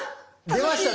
出ました。